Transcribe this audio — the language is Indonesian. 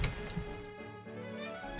lurus belok kanan